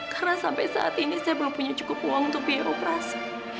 karena sampai saat ini saya belum punya cukup uang untuk biaya operasi